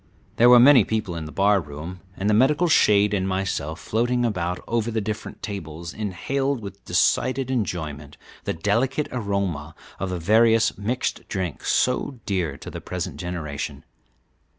There were many people in the bar room, and the medical shade and myself, floating about over the different tables, inhaled with decided enjoyment the delicate aroma of the various mixed drinks so dear to the present generation.